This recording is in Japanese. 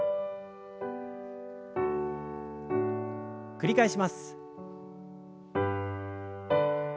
繰り返します。